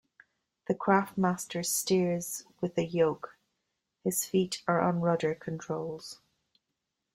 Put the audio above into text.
The craftmaster steers with a yoke, his feet are on rudder controls.